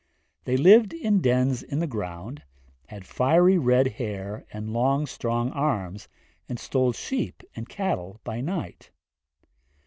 They lived in dens in the ground, had fiery red hair and long strong arms, and stole sheep and cattle by night.